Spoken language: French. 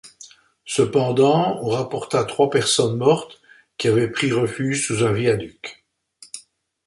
Cependant, on rapporta trois personnes mortes qui avaient pris refuge sous un viaduc.